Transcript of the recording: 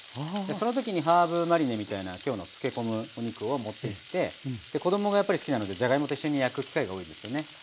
その時にハーブマリネみたいな今日の漬け込むお肉を持っていって子供がやっぱり好きなのでじゃがいもと一緒に焼く機会が多いですよね。